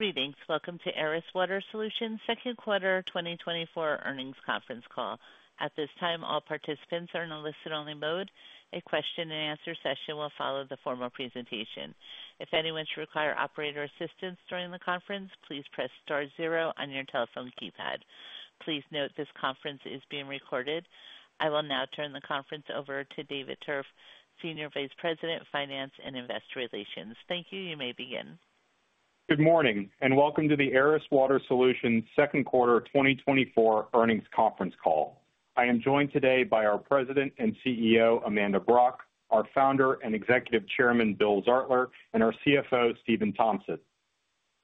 Greetings. Welcome to Aris Water Solutions' second quarter 2024 earnings conference call. At this time, all participants are in a listen-only mode. A question-and-answer session will follow the formal presentation. If anyone should require operator assistance during the conference, please press star zero on your telephone keypad. Please note, this conference is being recorded. I will now turn the conference over to David Tuerff, Senior Vice President, Finance and Investor Relations. Thank you. You may begin. Good morning, and welcome to the Aris Water Solutions second quarter 2024 earnings conference call. I am joined today by our President and CEO, Amanda Brock, our Founder and Executive Chairman, Bill Zartler, and our CFO, Stephan Tompsett.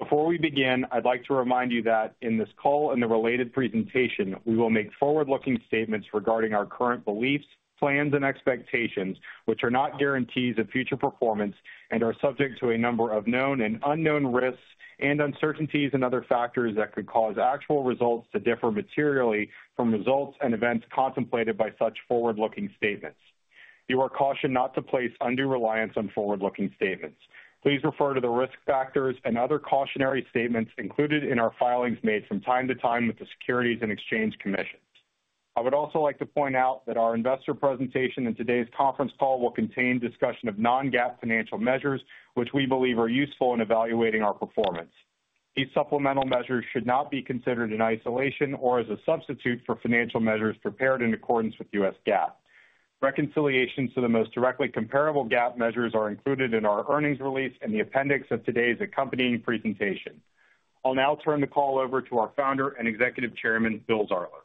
Before we begin, I'd like to remind you that in this call and the related presentation, we will make forward-looking statements regarding our current beliefs, plans, and expectations, which are not guarantees of future performance and are subject to a number of known and unknown risks and uncertainties and other factors that could cause actual results to differ materially from results and events contemplated by such forward-looking statements. You are cautioned not to place undue reliance on forward-looking statements. Please refer to the risk factors and other cautionary statements included in our filings made from time to time with the Securities and Exchange Commission. I would also like to point out that our investor presentation in today's conference call will contain discussion of non-GAAP financial measures, which we believe are useful in evaluating our performance. These supplemental measures should not be considered in isolation or as a substitute for financial measures prepared in accordance with U.S. GAAP. Reconciliations to the most directly comparable GAAP measures are included in our earnings release in the appendix of today's accompanying presentation. I'll now turn the call over to our Founder and Executive Chairman, Bill Zartler.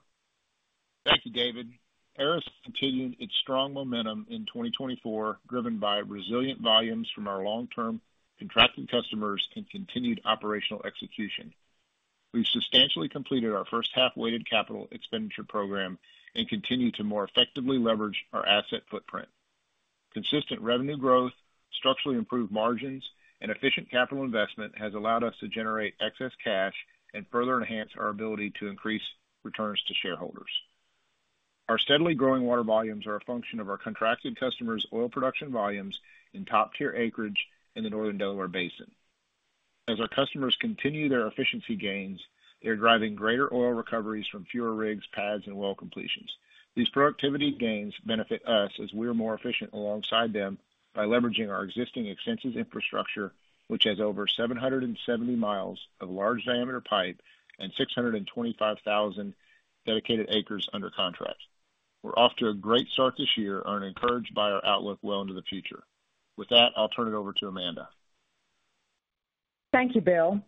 Thank you, David. Aris continued its strong momentum in 2024, driven by resilient volumes from our long-term contracted customers and continued operational execution. We've substantially completed our first half weighted capital expenditure program and continue to more effectively leverage our asset footprint. Consistent revenue growth, structurally improved margins, and efficient capital investment has allowed us to generate excess cash and further enhance our ability to increase returns to shareholders. Our steadily growing water volumes are a function of our contracted customers' oil production volumes in top-tier acreage in the Northern Delaware Basin. As our customers continue their efficiency gains, they are driving greater oil recoveries from fewer rigs, pads, and well completions. These productivity gains benefit us as we are more efficient alongside them by leveraging our existing extensive infrastructure, which has over 770 miles of large-diameter pipe and 625,000 dedicated acres under contract. We're off to a great start this year and are encouraged by our outlook well into the future. With that, I'll turn it over to Amanda. Thank you, Bill.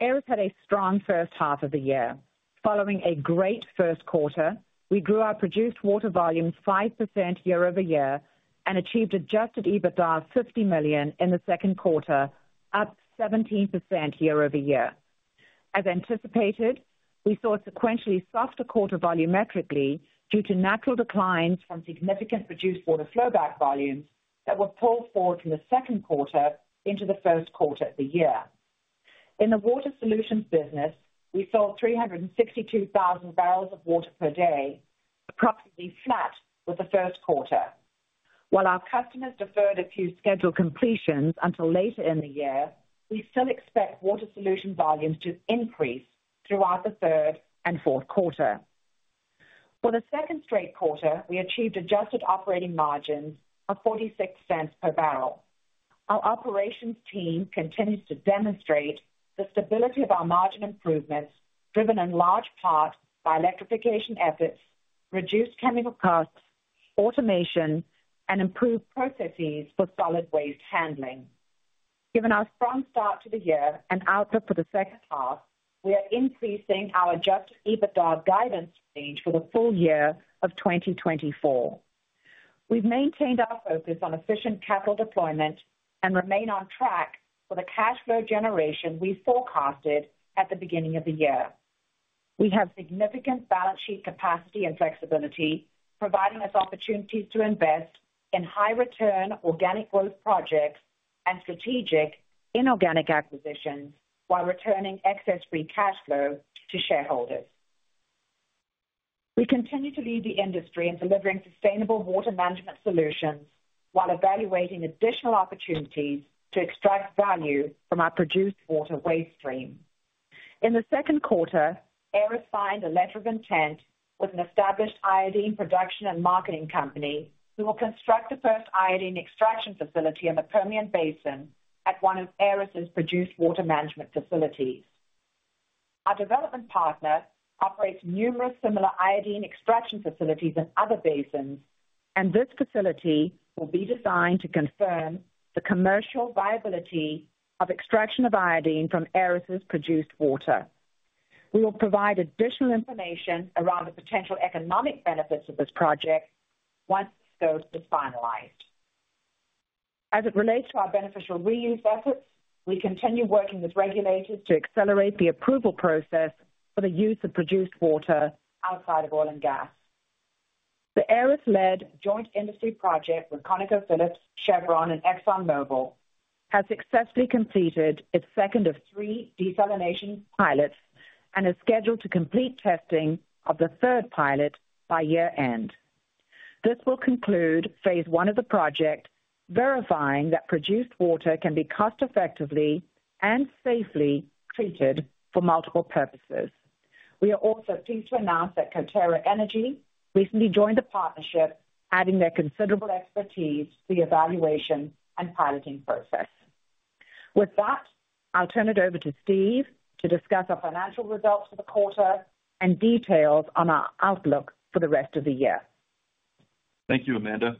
Aris had a strong first half of the year. Following a great first quarter, we grew our produced water volumes 5% year-over-year and achieved adjusted EBITDA of $50 million in the second quarter, up 17% year-over-year. As anticipated, we saw a sequentially softer quarter volumetrically due to natural declines from significant produced water flowback volumes that were pulled forward from the second quarter into the first quarter of the year. In the Water Solutions business, we sold 362,000 barrels of water per day, approximately flat with the first quarter. While our customers deferred a few scheduled completions until later in the year, we still expect Water Solutions volumes to increase throughout the third and fourth quarter. For the second straight quarter, we achieved adjusted operating margins of $0.46 per barrel. Our operations team continues to demonstrate the stability of our margin improvements, driven in large part by electrification efforts, reduced chemical costs, automation, and improved processes for solid waste handling. Given our strong start to the year and outlook for the second half, we are increasing our adjusted EBITDA guidance range for the full year of 2024. We've maintained our focus on efficient capital deployment and remain on track for the cash flow generation we forecasted at the beginning of the year. We have significant balance sheet capacity and flexibility, providing us opportunities to invest in high-return organic growth projects and strategic inorganic acquisitions while returning excess free cash flow to shareholders. We continue to lead the industry in delivering sustainable water management solutions while evaluating additional opportunities to extract value from our produced water waste stream. In the second quarter, Aris signed a letter of intent with an established iodine production and marketing company, who will construct the first iodine extraction facility in the Permian Basin at one of Aris's produced water management facilities. Our development partner operates numerous similar iodine extraction facilities in other basins, and this facility will be designed to confirm the commercial viability of extraction of iodine from Aris's produced water. We will provide additional information around the potential economic benefits of this project once it goes to finalized. As it relates to our beneficial reuse efforts, we continue working with regulators to accelerate the approval process for the use of produced water outside of oil and gas. The Aris-led Joint Industry Project with ConocoPhillips, Chevron, and ExxonMobil has successfully completed its second of three desalination pilots and is scheduled to complete testing of the third pilot by year-end. This will conclude phase I of the project, verifying that produced water can be cost effectively and safely treated for multiple purposes. We are also pleased to announce that Coterra Energy recently joined the partnership, adding their considerable expertise to the evaluation and piloting process. With that, I'll turn it over to Steve to discuss our financial results for the quarter and details on our outlook for the rest of the year. Thank you, Amanda.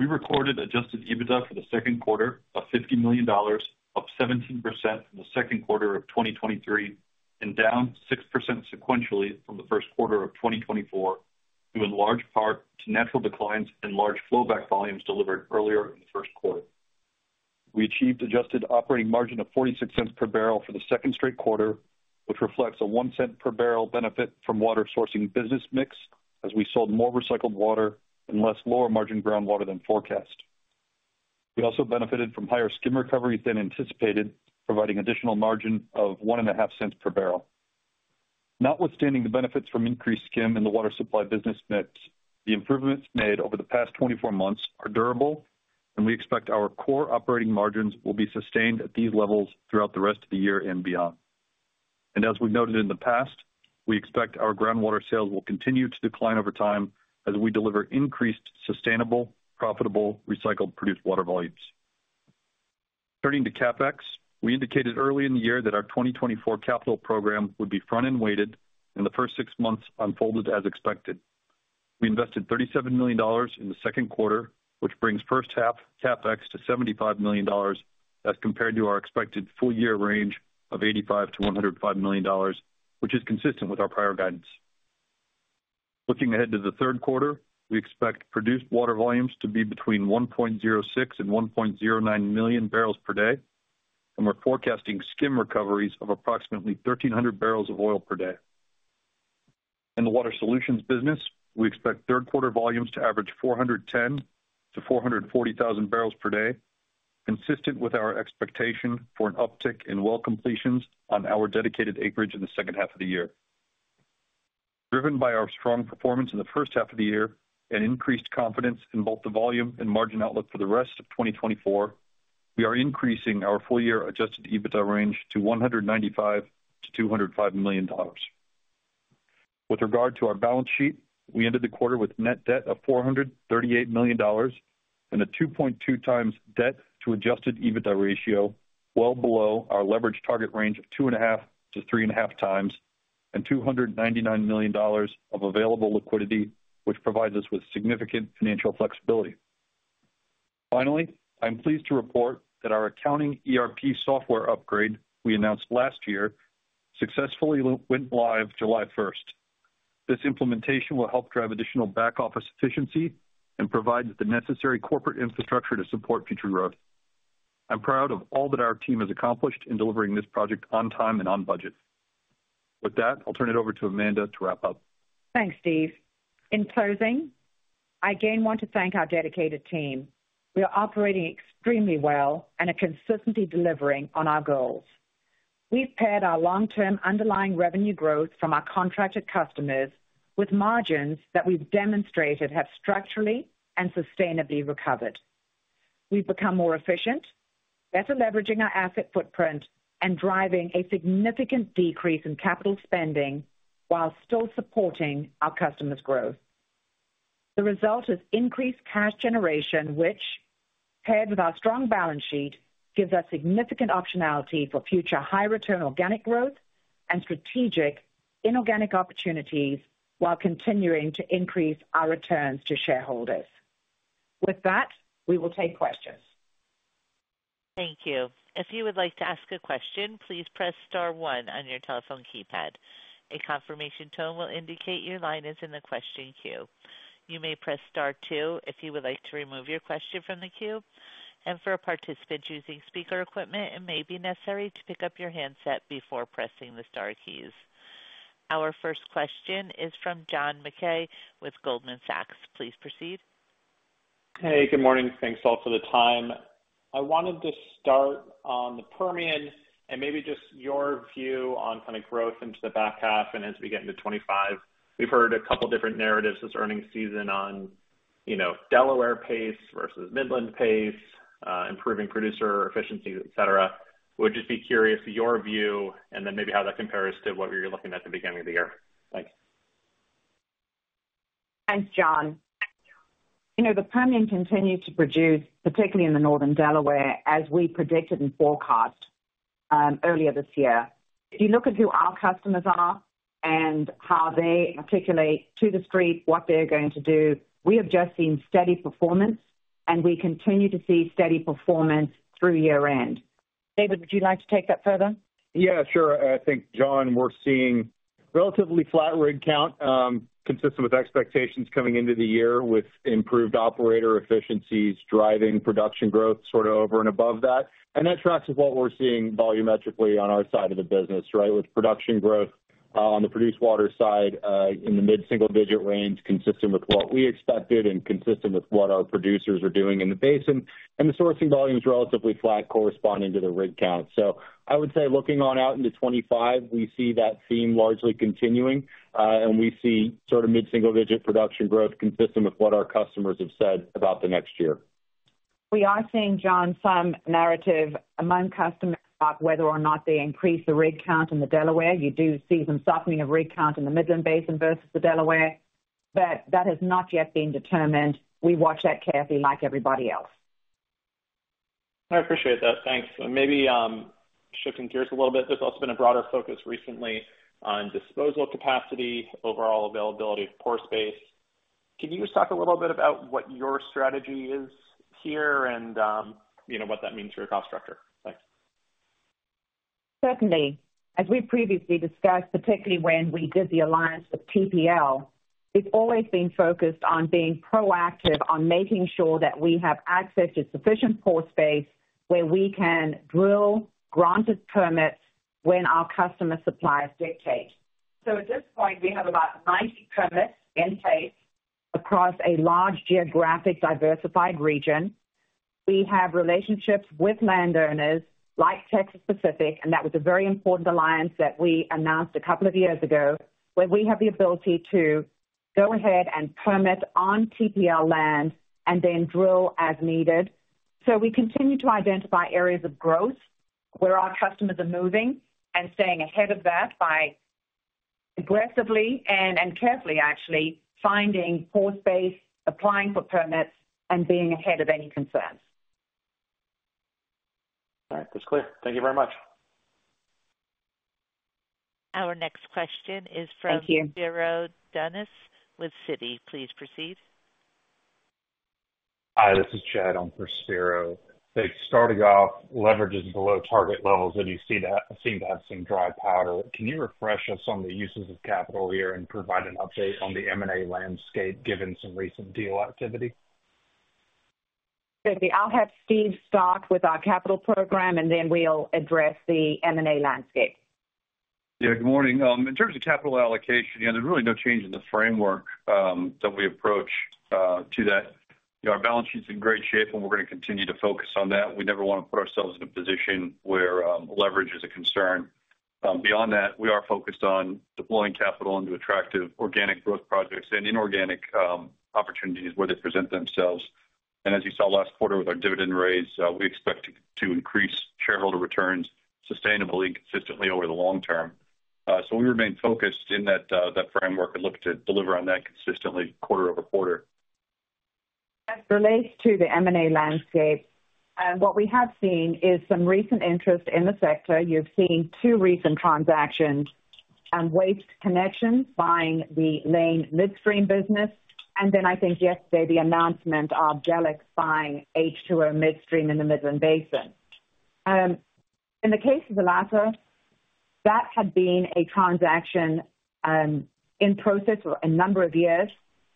We recorded adjusted EBITDA for the second quarter of $50 million, up 17% from the second quarter of 2023, and down 6% sequentially from the first quarter of 2024, due in large part to natural declines in large flowback volumes delivered earlier in the first quarter. We achieved adjusted operating margin of $0.46 per barrel for the second straight quarter, which reflects a $0.01 per barrel benefit from water sourcing business mix, as we sold more recycled water and less lower-margin groundwater than forecast. We also benefited from higher skim recovery than anticipated, providing additional margin of $0.015 per barrel. Notwithstanding the benefits from increased skim in the water supply business mix, the improvements made over the past 24 months are durable, and we expect our core operating margins will be sustained at these levels throughout the rest of the year and beyond. And as we've noted in the past, we expect our groundwater sales will continue to decline over time as we deliver increased, sustainable, profitable, recycled produced water volumes. Turning to CapEx, we indicated early in the year that our 2024 capital program would be front-end weighted, and the first six months unfolded as expected. We invested $37 million in the second quarter, which brings first half CapEx to $75 million, as compared to our expected full year range of $85 million-$105 million, which is consistent with our prior guidance. Looking ahead to the third quarter, we expect produced water volumes to be between 1.06 and 1.09 MMbpd, and we're forecasting skim recoveries of approximately 1,300 bbl of oil per day. In the water solutions business, we expect third quarter volumes to average 410-440 thousand bpd, consistent with our expectation for an uptick in well completions on our dedicated acreage in the second half of the year. Driven by our strong performance in the first half of the year and increased confidence in both the volume and margin outlook for the rest of 2024, we are increasing our full year adjusted EBITDA range to $195 million-$205 million. With regard to our balance sheet, we ended the quarter with net debt of $438 million and a 2.2x debt to adjusted EBITDA ratio, well below our leverage target range of 2.5x-3.5x, and $299 million of available liquidity, which provides us with significant financial flexibility. Finally, I'm pleased to report that our accounting ERP software upgrade we announced last year successfully went live July 1st. This implementation will help drive additional back-office efficiency and provide the necessary corporate infrastructure to support future growth. I'm proud of all that our team has accomplished in delivering this project on time and on budget. With that, I'll turn it over to Amanda to wrap up. Thanks, Steve. In closing, I again want to thank our dedicated team. We are operating extremely well and are consistently delivering on our goals. We've paired our long-term underlying revenue growth from our contracted customers with margins that we've demonstrated have structurally and sustainably recovered. We've become more efficient, better leveraging our asset footprint and driving a significant decrease in capital spending while still supporting our customers' growth. The result is increased cash generation, which, paired with our strong balance sheet, gives us significant optionality for future high-return organic growth and strategic inorganic opportunities, while continuing to increase our returns to shareholders. With that, we will take questions. Thank you. If you would like to ask a question, please press star one on your telephone keypad. A confirmation tone will indicate your line is in the question queue. You may press star two if you would like to remove your question from the queue, and for a participant using speaker equipment, it may be necessary to pick up your handset before pressing the star keys. Our first question is from John Mackay with Goldman Sachs. Please proceed. Hey, good morning. Thanks, all, for the time. I wanted to start on the Permian and maybe just your view on kind of growth into the back half and as we get into 2025. We've heard a couple different narratives this earnings season on, you know, Delaware pace versus Midland pace, improving producer efficiencies, et cetera. Would just be curious to your view and then maybe how that compares to what you're looking at the beginning of the year. Thanks. Thanks, John. You know, the Permian continued to produce, particularly in the northern Delaware, as we predicted and forecast earlier this year. If you look at who our customers are and how they articulate to the street what they're going to do, we have just seen steady performance, and we continue to see steady performance through year-end. David, would you like to take that further? Yeah, sure. I think, John, we're seeing relatively flat rig count, consistent with expectations coming into the year, with improved operator efficiencies driving production growth sort of over and above that. And that tracks with what we're seeing volumetrically on our side of the business, right? With production growth, on the produced water side, in the mid-single digit range, consistent with what we expected and consistent with what our producers are doing in the basin, and the sourcing volume is relatively flat, corresponding to the rig count. So I would say looking on out into 2025, we see that theme largely continuing, and we see sort of mid-single digit production growth consistent with what our customers have said about the next year. We are seeing, John, some narrative among customers about whether or not they increase the rig count in the Delaware. You do see some softening of rig count in the Midland Basin versus the Delaware, but that has not yet been determined. We watch that carefully like everybody else. I appreciate that. Thanks. Maybe shifting gears a little bit. There's also been a broader focus recently on disposal capacity, overall availability of pore space. Can you just talk a little bit about what your strategy is here and, you know, what that means for your cost structure? Thanks. Certainly. As we previously discussed, particularly when we did the alliance with TPL, we've always been focused on being proactive, on making sure that we have access to sufficient pore space, where we can drill granted permits when our customer suppliers dictate. So at this point, we have about 90 permits in place across a large geographic, diversified region. We have relationships with landowners like Texas Pacific Land, and that was a very important alliance that we announced a couple of years ago, where we have the ability to go ahead and permit on TPL land and then drill as needed. So we continue to identify areas of growth where our customers are moving and staying ahead of that by aggressively and carefully actually finding pore space, applying for permits and being ahead of any concerns. All right. That's clear. Thank you very much. Our next question is from- Thank you. Spiro Dounis with Citi. Please proceed. Hi, this is Chad on for Spiro. Starting off, leverage is below target levels, and you see that seem to have some dry powder. Can you refresh us on the uses of capital here and provide an update on the M&A landscape, given some recent deal activity? Okay. I'll have Steve start with our capital program, and then we'll address the M&A landscape. Yeah, good morning. In terms of capital allocation, yeah, there's really no change in the framework that we approach to that. Our balance sheet's in great shape, and we're gonna continue to focus on that. We never want to put ourselves in a position where leverage is a concern. Beyond that, we are focused on deploying capital into attractive organic growth projects and inorganic opportunities where they present themselves. And as you saw last quarter with our dividend raise, we expect to increase shareholder returns sustainably, consistently over the long term. So we remain focused in that that framework and look to deliver on that consistently quarter over quarter. As it relates to the M&A landscape, what we have seen is some recent interest in the sector. You've seen two recent transactions, Waste Connections buying the Layne Midstream business, and then I think yesterday, the announcement of Delek buying H2O Midstream in the Midland Basin. In the case of the latter, that had been a transaction in process for a number of years.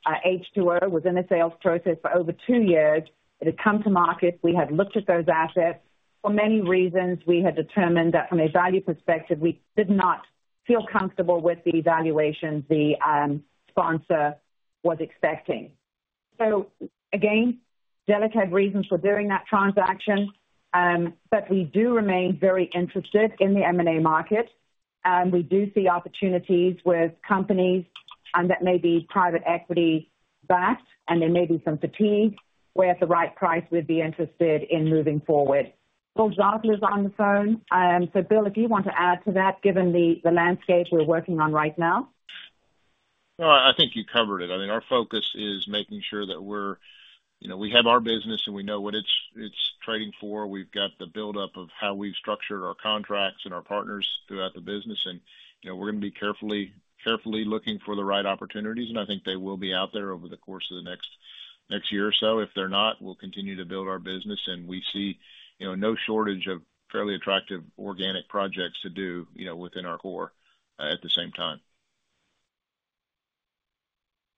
H2O was in a sales process for over two years. It had come to market. We had looked at those assets. For many reasons, we had determined that from a value perspective, we did not feel comfortable with the valuation the sponsor was expecting. So again, Delek had reasons for doing that transaction, but we do remain very interested in the M&A market. We do see opportunities with companies that may be private equity backed, and there may be some fatigue, where at the right price, we'd be interested in moving forward. Bill Zartler is on the phone. So Bill, if you want to add to that, given the landscape we're working on right now. Well, I think you covered it. I mean, our focus is making sure that we're, you know, we have our business, and we know what it's, it's trading for. We've got the buildup of how we've structured our contracts and our partners throughout the business, and, you know, we're gonna be carefully, carefully looking for the right opportunities. I think they will be out there over the course of the next, next year or so. If they're not, we'll continue to build our business, and we see, you know, no shortage of fairly attractive organic projects to do, you know, within our core at the same time.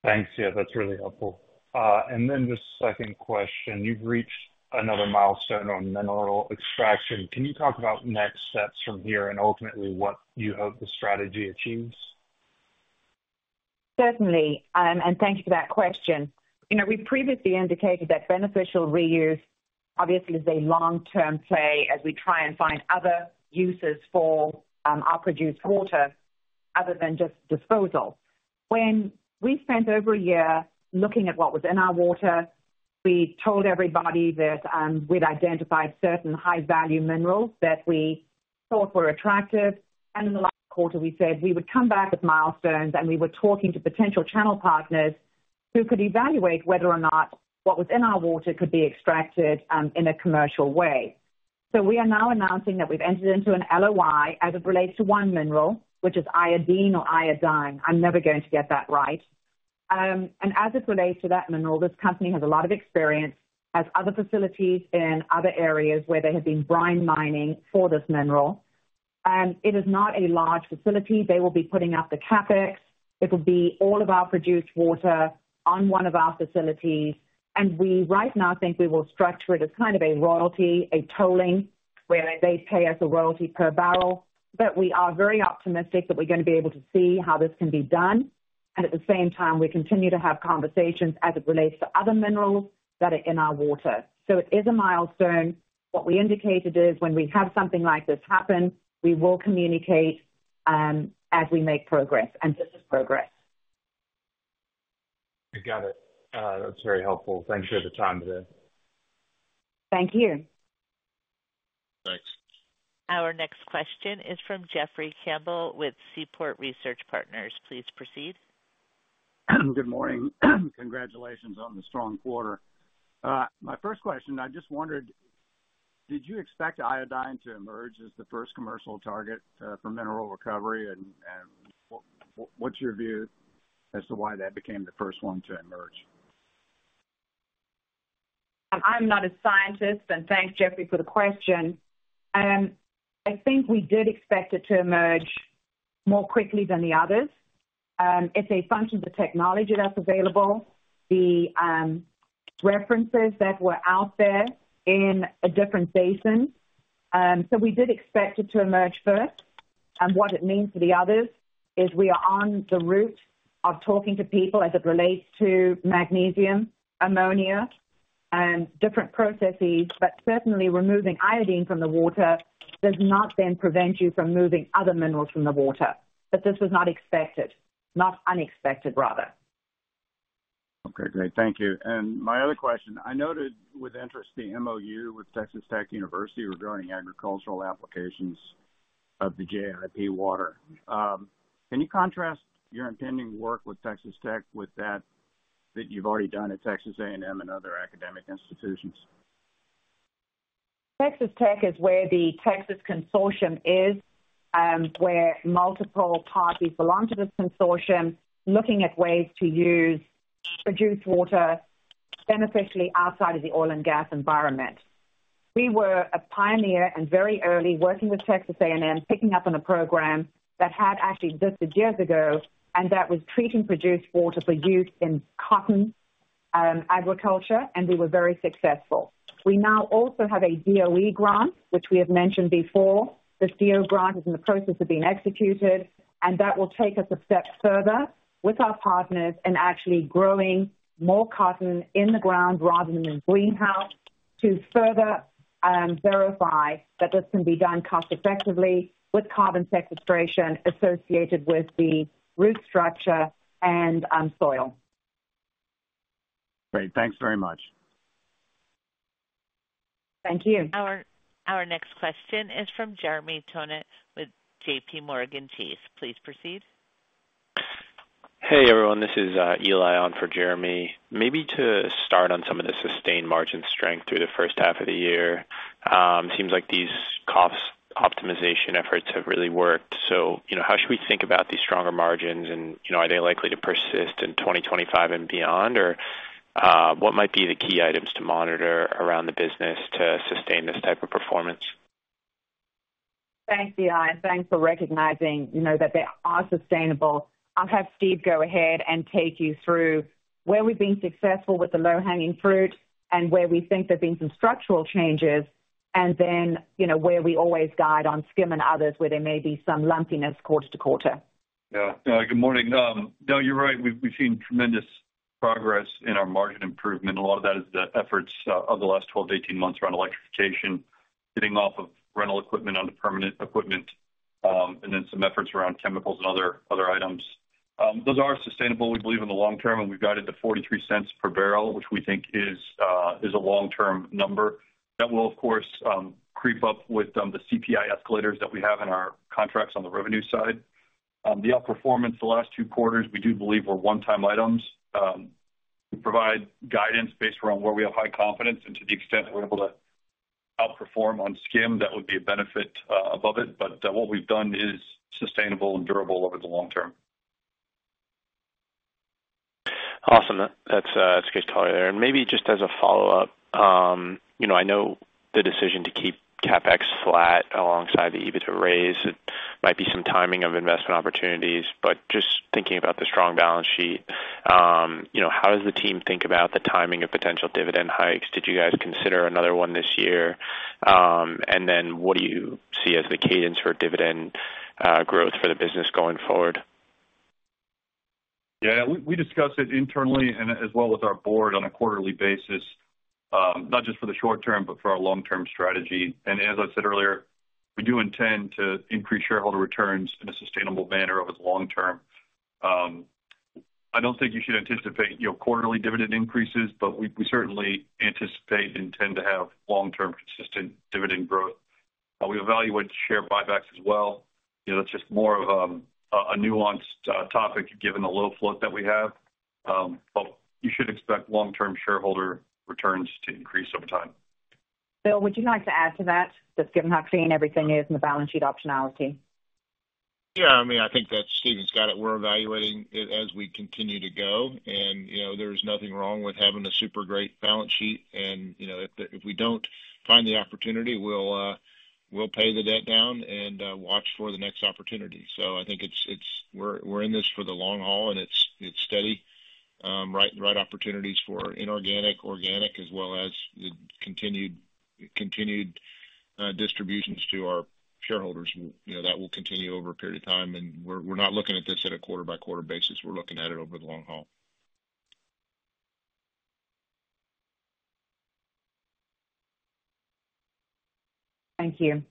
Thanks. Yeah, that's really helpful. And then the second question, you've reached another milestone on mineral extraction. Can you talk about next steps from here and ultimately what you hope the strategy achieves? Certainly, and thank you for that question. You know, we previously indicated that beneficial reuse obviously is a long-term play as we try and find other uses for our produced water other than just disposal. When we spent over a year looking at what was in our water, we told everybody that we'd identified certain high-value minerals that we thought were attractive. And in the last quarter, we said we would come back with milestones, and we were talking to potential channel partners who could evaluate whether or not what was in our water could be extracted in a commercial way. So we are now announcing that we've entered into an LOI as it relates to one mineral, which is iodine or iodine. I'm never going to get that right. And as it relates to that mineral, this company has a lot of experience, has other facilities in other areas where they have been brine mining for this mineral. It is not a large facility. They will be putting up the CapEx. It'll be all of our produced water on one of our facilities, and we right now think we will structure it as kind of a royalty, a tolling, where they pay us a royalty per barrel. But we are very optimistic that we're going to be able to see how this can be done. And at the same time, we continue to have conversations as it relates to other minerals that are in our water. So it is a milestone. What we indicated is when we have something like this happen, we will communicate, as we make progress, and this is progress. I got it. That's very helpful. Thanks for the time today. Thank you. Thanks. Our next question is from Jeffrey Campbell with Seaport Research Partners. Please proceed. Good morning. Congratulations on the strong quarter. My first question, I just wondered, did you expect iodine to emerge as the first commercial target for mineral recovery? And what, what's your view as to why that became the first one to emerge? I'm not a scientist, and thanks, Jeffrey, for the question. I think we did expect it to emerge more quickly than the others. It's a function of the technology that's available, the references that were out there in a different basin. So we did expect it to emerge first. And what it means for the others is we are on the route of talking to people as it relates to magnesium, ammonia, and different processes. But certainly, removing iodine from the water does not then prevent you from removing other minerals from the water. But this was not expected, not unexpected, rather. Okay, great. Thank you. And my other question: I noted with interest the MOU with Texas Tech University regarding agricultural applications of the JIP water. Can you contrast your intending work with Texas Tech with that, that you've already done at Texas A&M and other academic institutions? Texas Tech is where the Texas Consortium is, where multiple parties belong to this consortium, looking at ways to use produced water beneficially outside of the oil and gas environment. We were a pioneer and very early working with Texas A&M, picking up on a program that had actually existed years ago, and that was treating produced water for use in cotton agriculture, and we were very successful. We now also have a DOE grant, which we have mentioned before. The DOE grant is in the process of being executed, and that will take us a step further with our partners in actually growing more cotton in the ground rather than in greenhouse, to further verify that this can be done cost effectively with carbon sequestration associated with the root structure and soil. Great. Thanks very much. Thank you. Our next question is from Jeremy Tonet with JPMorgan Chase. Please proceed. Hey, everyone, this is Eli on for Jeremy. Maybe to start on some of the sustained margin strength through the first half of the year. Seems like these costs optimization efforts have really worked. So, you know, how should we think about these stronger margins? And, you know, are they likely to persist in 2025 and beyond? Or, what might be the key items to monitor around the business to sustain this type of performance? Thanks, Eli, and thanks for recognizing, you know, that they are sustainable. I'll have Steve go ahead and take you through where we've been successful with the low-hanging fruit and where we think there have been some structural changes, and then, you know, where we always guide on skim and others, where there may be some lumpiness quarter to quarter. Yeah. Good morning. No, you're right. We've seen tremendous progress in our margin improvement. A lot of that is the efforts of the last 12 to 18 months around electrification, getting off of rental equipment onto permanent equipment, and then some efforts around chemicals and other items. Those are sustainable, we believe, in the long term, and we've guided to $0.43 per barrel, which we think is a long-term number. That will, of course, creep up with the CPI escalators that we have in our contracts on the revenue side. The outperformance the last two quarters, we do believe were one-time items. We provide guidance based around where we have high confidence, and to the extent that we're able to outperform on skim, that would be a benefit above it, but what we've done is sustainable and durable over the long term. Awesome. That's, that's great to hear. And maybe just as a follow-up, you know, I know the decision to keep CapEx flat alongside the EBITDA raise, it might be some timing of investment opportunities, but just thinking about the strong balance sheet, you know, how does the team think about the timing of potential dividend hikes? Did you guys consider another one this year? And then what do you see as the cadence for dividend growth for the business going forward? Yeah, we discuss it internally and as well with our board on a quarterly basis, not just for the short term, but for our long-term strategy. And as I said earlier, we do intend to increase shareholder returns in a sustainable manner over the long term. I don't think you should anticipate, you know, quarterly dividend increases, but we certainly anticipate and tend to have long-term consistent dividend growth. We evaluate share buybacks as well. You know, that's just more of a nuanced topic given the low float that we have. But you should expect long-term shareholder returns to increase over time. Bill, would you like to add to that, just given how clean everything is and the balance sheet optionality? Yeah, I mean, I think that Stephan's got it. We're evaluating it as we continue to go, and, you know, there's nothing wrong with having a super great balance sheet. And, you know, if we don't find the opportunity, we'll pay the debt down and watch for the next opportunity. So I think it's. We're in this for the long haul, and it's steady. Right, the right opportunities for inorganic, organic, as well as the continued distributions to our shareholders. You know, that will continue over a period of time, and we're not looking at this on a quarter-by-quarter basis. We're looking at it over the long haul. Thank you.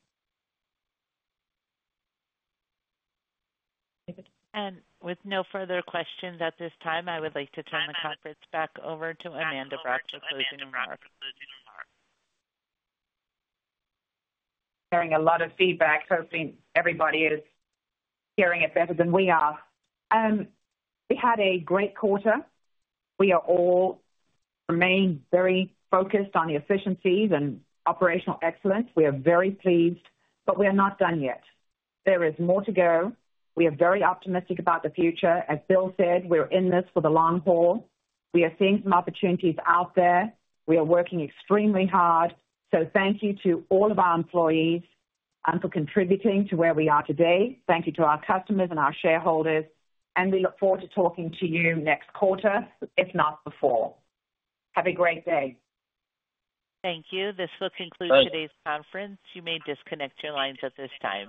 With no further questions at this time, I would like to turn the conference back over to Amanda Brock for closing remarks. Hearing a lot of feedback. Hoping everybody is hearing it better than we are. We had a great quarter. We are all remain very focused on the efficiencies and operational excellence. We are very pleased, but we are not done yet. There is more to go. We are very optimistic about the future. As Bill said, we're in this for the long haul. We are seeing some opportunities out there. We are working extremely hard. So thank you to all of our employees, and for contributing to where we are today. Thank you to our customers and our shareholders, and we look forward to talking to you next quarter, if not before. Have a great day. Thank you. This will conclude today's conference. You may disconnect your lines at this time.